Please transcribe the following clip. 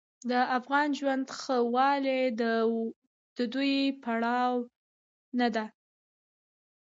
د افغان ژوند ښهوالی د دوی پروا نه ده.